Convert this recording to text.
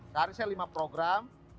sehari saya lima program